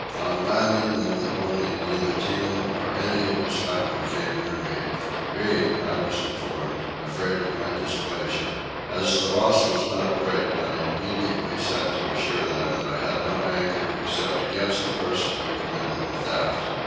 On landing in the morning neither Tinah nor any of his family came near me, being, I was informed, afraid of my displeasure. As the loss was not great I immediately sent to assure them that I had no anger except against the person who committed the theft.